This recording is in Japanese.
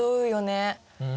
うん。